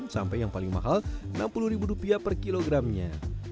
sampai yang paling mahal enam puluh rupiah per kilogramnya